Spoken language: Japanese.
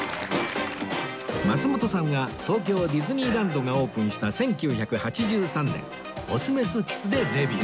松本さんが東京ディズニーランドがオープンした１９８３年『♂×♀×Ｋｉｓｓ』でデビュー